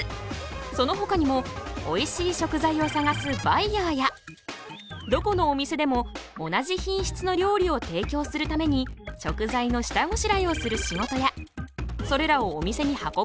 そのほかにもおいしい食材を探すバイヤーやどこのお店でも同じ品質の料理を提供するために食材の下ごしらえをする仕事やそれらをお店に運ぶ仕事。